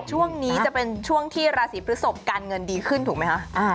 ช่วงนี้จะเป็นช่วงที่ราศีพฤศพการเงินดีขึ้นถูกไหมคะ